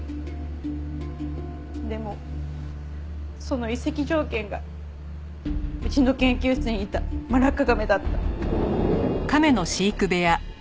でもその移籍条件がうちの研究室にいたマラッカガメだった。